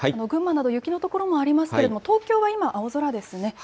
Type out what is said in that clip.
群馬など、雪の所もありますけれども、東京は今、青空ですね。